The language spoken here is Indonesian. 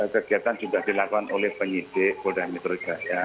kegiatan sudah dilakukan oleh penyidik polda metro jaya